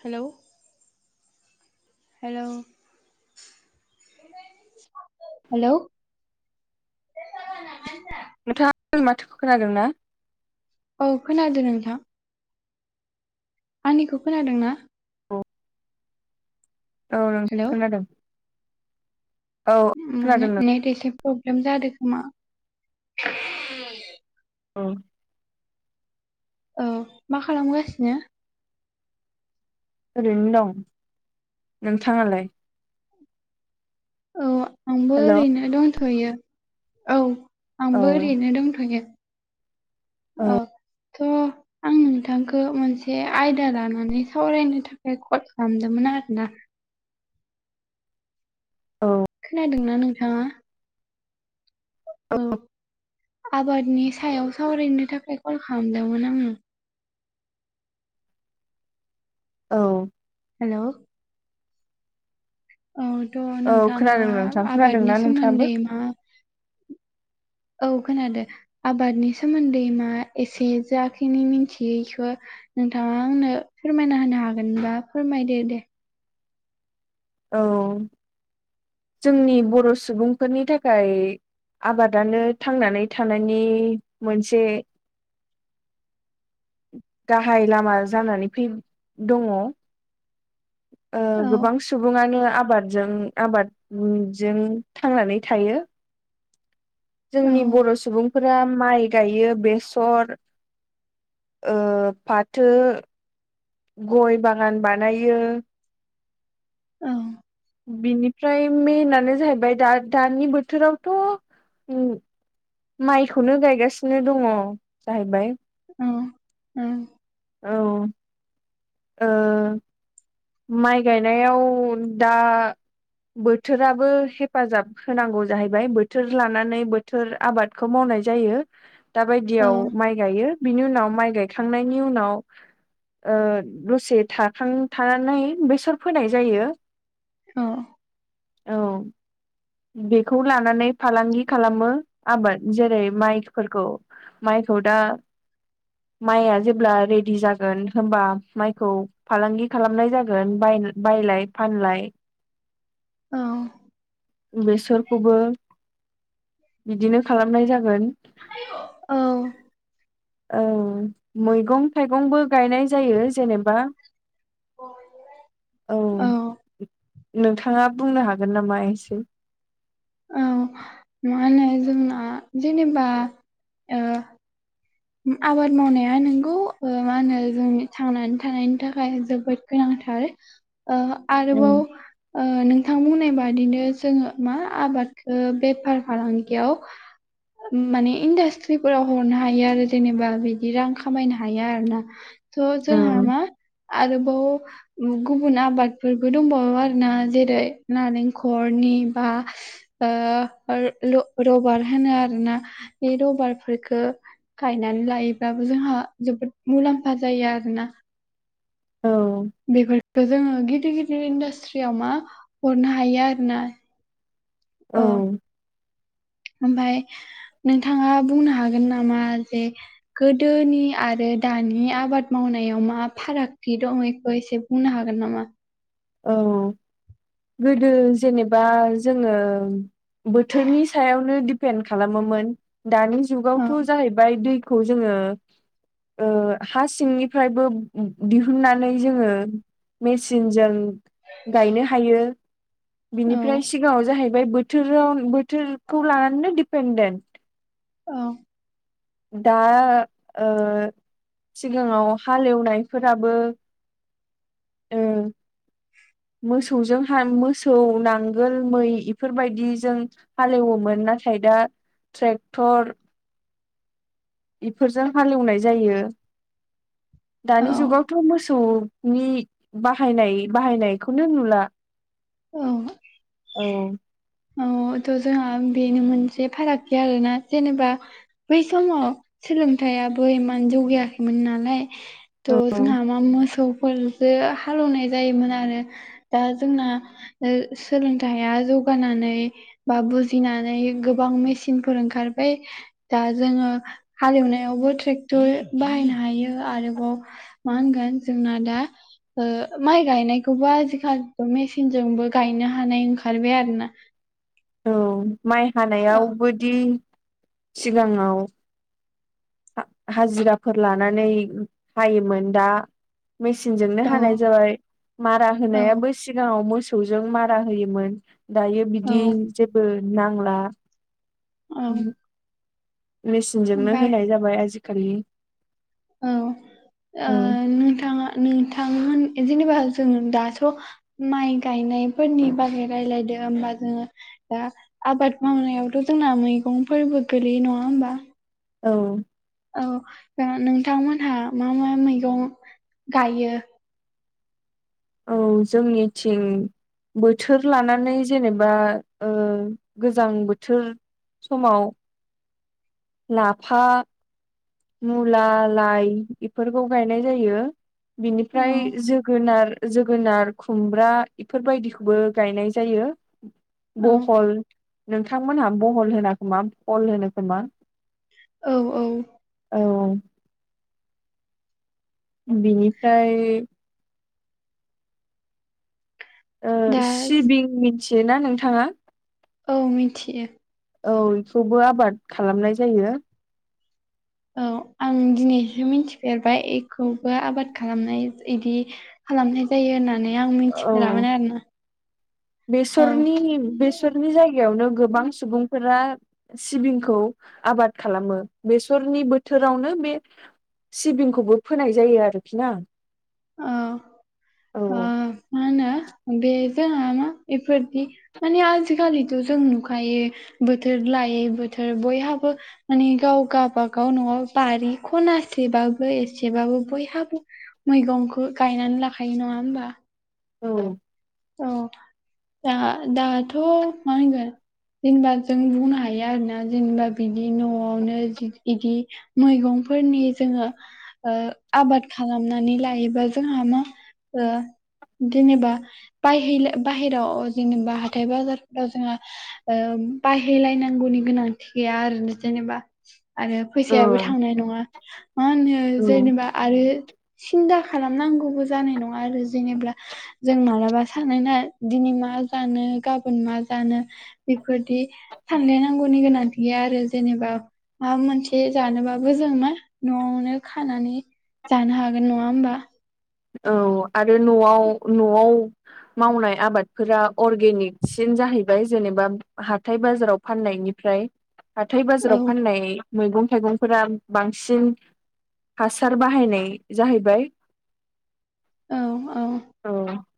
Hello hello hello नोंथाङा आंनि माथोखौ खोनादों ना? औ खोनादों नोंथां। आंनिखौ खोनादों ना? औ औ हेलौ नोंथां खोनादों औ माने खोनादों नों नेट एसे प्रब्लेम जादों खोमा। औ औ मा खालामगासिनो? ओरैनो दं। नोंथाङालाय? औ आंबो हेल' औ ओरैनो दंथ'यो औ औ आंबो ओरैनो दंथ'गोन औ थ' आं आं नोंथांखौ मोनसे आयदा लानानै सावरायनो थाखाय कल खालामदोंमोन आरोना। औ खोनादों ना नोंथाङा? औ आबादनि सायाव सावरायनो थाखाय कल खालामदोंमोन आङो। औ हेल' औ थ' औ नोंथाङा खोनादों नोंथां आबादनि खोनादोंना नोंथाङाबो सोमोन्दै मा औ खोनादों। आबादनि सोमोन्दै मा एसे जाखिनि मिथियि बेखौ नोंथाङा आंनो फोरमायना होनो हागोनबा फोरमायदो दे। औ जोंनि बर' सुबुंफोरनि थाखाय आबादानो थांनानै थानायनि मोनसे गाहाय लामा जानानै फै दङ। ओ औ गोबां सुबुङानो आबादजों आबादजों थांनानै थायो। औ जोंनि बर' सुबुं फोर माइ गायो बेसर ओ फाथो गय बागान बानायो। औ बिनिफ्राय मेनानो जाहैबाय दा दानि बोथोरावथ' ओ माइखौनो गायगासिनो दङ जाहैबाय। औ औ औ ओ माइ गायनायाव दा बोथोराबो हेफाजाब होनांगौ जाहैबाय बोथोर लानानै बोथोर आबादखौ मावनाय जायो। औ दाबायदियाव माइ गायो बिनि उनाव माइ गायखांनायनि उनाव ओ दसे थाखां थानानै बेसर फोनाय जायो। औ औ बेखौ लानानै फालांगि खालामो आबाद जेरै माइफोरखौ माइखौ दा माइआ जेब्ला रेडि जागोन होनबा माइखौ फालांगि खालामनाय जागोन बायलाय फानलाय औ बेसोरखौबो बिदिनो खालामनाय जागोन। औ औ मैगं थाइगंबो गायनाय जायो जेनेबा अ औ नोंथाङा बुंनो हागोन नामा एसे औ मा होनो जोंना जेनेबा‌ ओ आबाद मावनाया नोंगौ मा होनो जोंनि थांनानै थानायनि थाखाय जोबोद गोनांथार ओ आरोबाव औ ओ औनोंथां बुंनाय बादिनो जोङो मा आबादखौ बेफार फालांगियाव माने इन्डास्ट्रिफोरा हरनो हायो आरो जेनेबा बिदि रां खामायनो हाया आरोना थ जोंहा मा आरोबाव गुबुन आबादफोरबो दंबावो आरोना जेरै नारेंखलनि बा ओ ल'-ल'-रबार होनो आरोना बे रबारफोरफोरखो गायनानै लायोब्लााबबो जोंहा जोबोद मुलाम्फा जायो आरोना। औ बेफोरखौ जोङो गिदिर गिदिर इन्डास्ट्रियाव मा हरनो हायो आरोना औ ओमफाय नोंथाङा बुंनो हागोन नामा जे गोदोनि आरो दानि आबाद मावनायाव मा फारागथि दं बेखौ एसे बुंनो हागोन नामा? औ गोदो जेनेबा जोंङो बोथोरनि सायावनो दिडपेन्ड खालामोमोन दानि औ जुगावथ' जाहैबाय फ्राय दैखौ जोङो। हा सिंनिफ्रायबो दिहुननानै जोङो मेसिनजों गायनो हायो। औ बिनिफ्राय सिगाङाव जाहै बाय बोथोराव बोथोरखौ लानानैनो दिडिपेेनडेन्ट औ दा ओ सिगाङाव हालेवनायफोराबो [unintelligible] [inaudible] मोसौजोंहा मोसौ नांगोल मै इफोरबायदि जों हालेवोमोन नाथाय दा ट्रेक्टर बेफोरजों हालेवनाय जायो औ दानि जुगावथ' मोसौ नि बाहायनाय बाहायनायखौनो नुला औ औ औ थ' जोंहा बेनो मोनसे फारागथि आरोना जेनेबा बै समाव सोलोंथाइयाबो इमान जौगायाखैमोन नालाय। औ थ' जोंहा मा मोसौफोर जो हालेवनाय जायोमोन आरो दा जोंना सोलोंथायाइया जौगानानै बा बुजिनानै गोबां मेसिनफोर ओंखारबाय दा जोङो हालेवनायावबो ट्रेक्टर बाहायनो हायो आरोबाव मा होनगोन जोंना दा ओ माइ गायनायखौबो आजिखालि मेसि नजोंबो गायनो हानाय ओंखारबाय आरो ना। औ माइ औ हानायावबोदि सिगांङाव हाजिराफोर लानानै हायोमोन दा मेसिनजोंनो औ हानाय जाबाय मारा होनायाबो सिगाङाव मोसौजों मारा होयोमोन दायो औ बिदि जेबो नांला औ मेसििनजोंोंनो ओमफ्राय होनाय जाबाय आजिखालि औ नोंथाङा नोंथां जेनेबा जों दास' माइ गायनायफोरनि बागै रायलायदो होमबा जोङो दा आबाद मावनायावथ' जोंना मैगंफोरबो गोलैयो नङा होमबा औ औ नोंथांमोनहा मा मा मैगं गायो। औ जोंनिथिं बोथोर लानानै जेनेबा ओ गोजां बोथोर समाव लाफा मुला लाइ बेफोरखौ गायनाय जायो औ बिनिफ्राय जोगोनार जोगोनार खुमब्रा इफोरबायदिखौबो गायनाय जायो औ बहल नोंथांमोनहा बहल होना खोमा बहल होनो खोमा औ औ औ बेनिफ्राय दा सिबिं मिथिय ना नोंथाङा औ मिथियो औ बेखौबो आबाद खालामनाय जायो औ आं दिनैसो मिथिफेरबाय बेखौबो आबाद खालामनाय बिदि खालामनाय जायो होननानै आं औ मिथिफेरामोन आरोोना बेसरनि बेसरनि जायगायावनो गोबां सुबुंफोरा सिबिंखौ आबाद खालामो बेसरनि बोथोरावनो बे सिबिंखौबो फोनाय जायो आरोखि ना औ औ मा होनो बे जोंहा मा बेफोरदि माने आजिखालिथ' जों नुखायो बोथोर लायै बोथोर बयहाबो माने गाव गाबागाव न'आव बारि खनासेबाबो एसेबाबो बयहाबो मैगंखौ गायनानै लाखायो नङा होमबा औ औ दा दाथ' मा होनगोन जेनेबा जों बुंनो हायो आरो ना जेनेबा बिदि न'आवनो बिदि मैगंफोरनि जोङो आबाद खालामनानै लायोबा जोंहा मा जेनेबा बै बाहेरायाव जेनेबा हाथथाय बाजारफोराव जोंहा बाहायलायनांगौनि गोनांथि गैया आरो जेनेबा आरो फैसायाबो औ थांनाय नङा मा होनो जेनेबा आरो सिन्था खालामनांगौबो जानाय नङा आरो जेनेा जों मालाबा सानैना दिनै मा जानो गाबोन मा जानो बेफोरदि सानलायनांगौनि गोनांथि गैया आरो जेनेबा माबा मोनसे जानोबाबो जों मा न'आवनो खानानै जानो हागोन नङा होमबा औ आरो न'आव न'आव मावनाय आबादफोरा अर्गेनिकसिन जाहैबाय जेनेबा हाथथाय बाजाराव फाननायनिफ्राय हाथथाय औ बाजाराव फाननाय मैगं थाइगंफोरा बांसिन हासार बाहायनाय जाहैबाय औ औ औ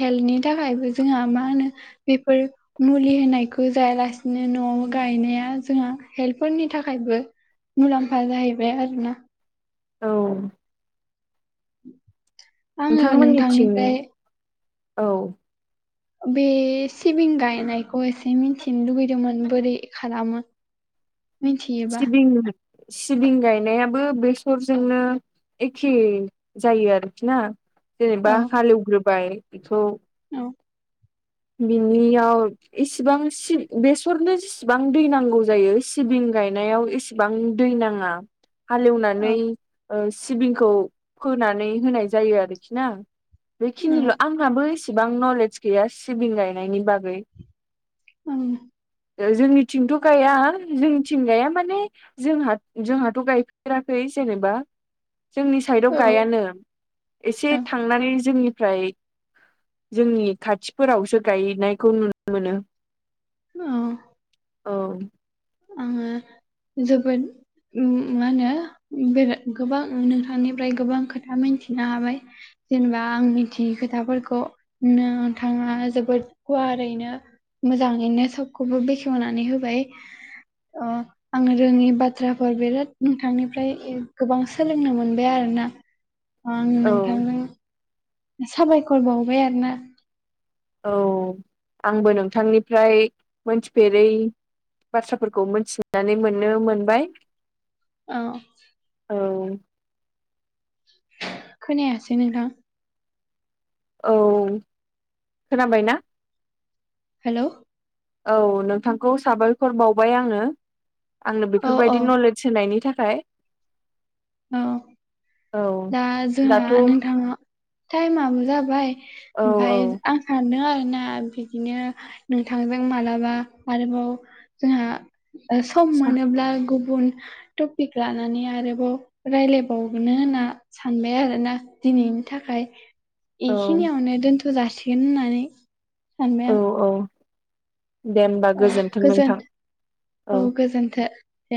हेल्थनि थाखायबो जोंहा मा होनो बेफोर मुलि होनायखौ जायालासिनो न'आव गायनाया जोंहा हेल्पफोरनि थाखायबो मुलाम्फा जाहैबाय आरोोना औ आङो नोंथांमोननिथिं नोंथांनिफ्राय औ बे सिबिन गायनायखौ एसे मिनथिनो लुुबैदोंमोन बोरै खालामो मिथियोबा सिबिं सिबिं गायनायाबो बेसरजोंनो एखे जायो आरोखि ना औ जेनेबा हालेवग्रोबाय बेखौ औ बिनियाव इसिबां बेसरनो इसेबां दै नांगौ जायो सिबिं गायनायाव एसेबां दै नाङा औ हालेवनानै सिबिंखौ फोनानै होनाय जायो आरोखि ना औ बेखिनिल' आंहाबो एसेबां नलेज गैया सिबिं गायनायनि बागै उम ओ जोंनिथिंथ' गाया जोंनिथिं गाया माने जोंहा जोंहाथ' गायफेराखै जेनेबा जोंनि साइडआव औ गायानो एसे औ थांनानै जोंनिफ्राय जोंनि खाथिफोरावसो गायनायखौ नुनो मोनो। नौ औ। आङो जोबोद उम मा होनो बेरा गोबां नोंथांनिफ्राय गोबां खोथा मिनथिनो हाबाय जेनेबा आं मिथियै खोथाफोरखौ नोंथाङा जोबोद गुवारैनो मोजाङैनो सबखौबो बेखेवनानै होबाय अ आं रोङि बाथ्राफोर बेराद नोंथांनिफ्राय गोबां सोलोंनो मोनबाय आरोना। आं औ नोंथांजों साबायखर बावबाय आरो ना औ आंबो नोंथांनिफ्राय मोनथिफेरै बाथ्राफोरखौ मोनथिनानै मोननो मोनबाय औ। औ। खोनायासै नोंथां औ खोनाबाय ना? हेलौ औ नोंथांखौ साबायखर बावबाय आङो आंनो औ औ बेफोरबायदि नले [unintelligible] सोनायनि थाखाय औ। औ दा जोंहा दाथ' नोंथाङा थाइमाबो जाबाय औ ओमफाय औ आं [unintelligible] नो आरोना बिदिनो नोंथांजों मालाबा आरोबाव जोंहा ओ सम मोनोब्ला गुबुन टपिक लानानै आरोबाव रायलायबावगोनो होना सानबाय आरोना दिनैनि थाखाय औ इखिनियावनो दोनथ' थ' जासिगोन होननानै औ सानबाय आं औ दे ओमबा आं गोजोन्थों गोजोन नोंथां औ। गोजोनथो दे